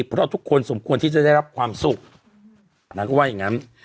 เพราะทุกคนสมควรที่จะได้รับความสุขนางก็ว่าอย่างงั้น